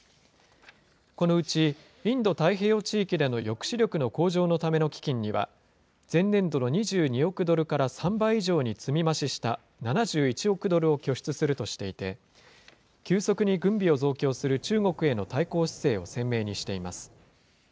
このうちインド太平洋地域での抑止力の向上のための基金には、前年度の２２億ドルから３倍以上に積み増しした、７１億ドルを拠出するとしていて、急速に軍備を増強する中国への対抗姿勢を鮮明にしています。